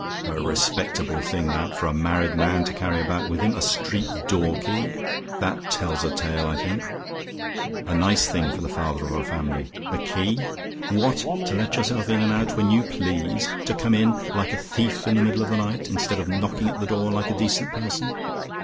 "A respectable thing, that, for a married man to carry about with him, a street door key! That tells a tale I think. A nice thing for the father of a family! A key! What, to let yourself in and out when you please! To come in, like a thief in the middle of the night, instead of knocking at the door like a decent person!